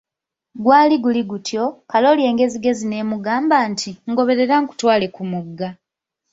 Gwali guli gutyo, Kalooli engezigezi n'emugamba nti, ngoberera nkutwale ku mugga .